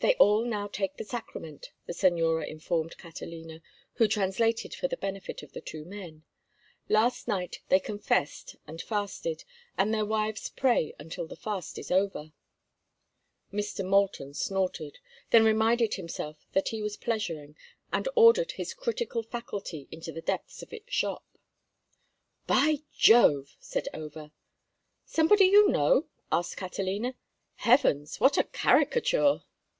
"They all now take the sacrament," the señora informed Catalina, who translated for the benefit of the two men. "Last night they confessed and fasted, and their wives pray until the fight is over." Mr. Moulton snorted, then reminded himself that he was pleasuring, and ordered his critical faculty into the depths of its shop. "By Jove!" said Over. "Somebody you know?" asked Catalina. "Heavens, what a caricature!"